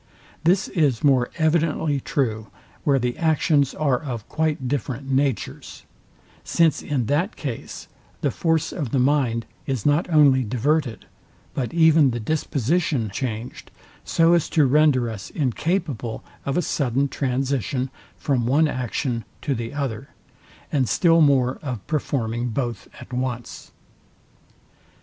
This is more evidently true, where the actions are of quite different natures; since in that case the force of the mind is not only diverted, but even the disposition changed, so as to render us incapable of a sudden transition from one action to the other, and still more of performing both at once.